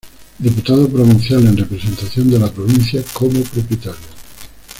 Diputado Provincial en representación de la provincia como propietario.